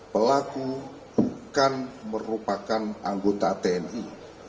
pelaku bukan merupakan anggota tni